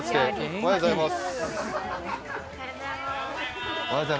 おはようございます。